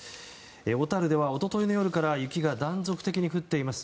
小樽では一昨日の夜から雪が断続的に降っています。